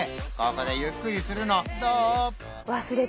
ここでゆっくりするのどう？